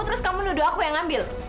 terus kamu nuduh aku yang ngambil